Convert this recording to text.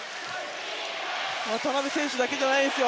渡邊選手だけじゃないですよ